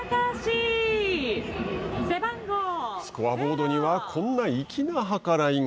スコアボードにはこんな粋な計らいが。